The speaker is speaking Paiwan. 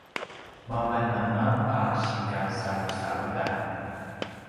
mavananga a sikasalusalutan